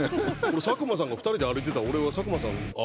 佐久間さんと２人で歩いてたら俺は佐久間さんあ